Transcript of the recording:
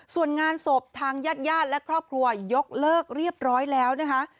ส่วนงานศพทางญาติญาติและครอบครัวยกเลิกเรียบร้อยแล้วนะคะ